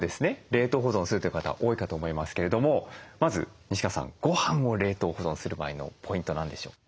冷凍保存するという方多いかと思いますけれどもまず西川さんごはんを冷凍保存する場合のポイント何でしょう？